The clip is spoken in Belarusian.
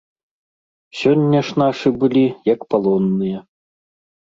Сёння ж нашы былі, як палонныя.